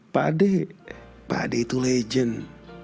pakde pakde itu legend